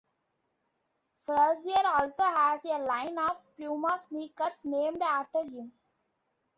Frazier also has a line of Puma sneakers named after him.